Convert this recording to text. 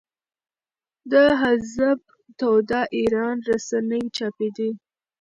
د حزب توده ایران رسنۍ چاپېدې.